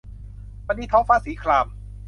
วันนี้ท้องฟ้าสีคราม